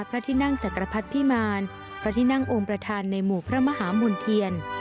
พระที่นั่งจักรพรรดิพิมารพระที่นั่งองค์ประธานในหมู่พระมหามุนเทียน